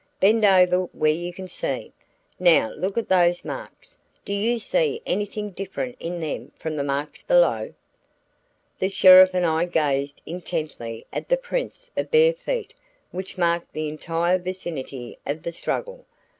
"Bend over where you can see. Now look at those marks. Do you see anything different in them from the marks below?" The sheriff and I gazed intently at the prints of bare feet which marked the entire vicinity of the struggle.